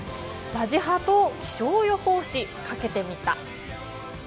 「ラジハ」と気象予報士かけてみた。